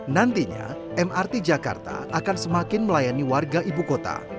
nantinya mrt jakarta akan semakin melayani warga ibu kota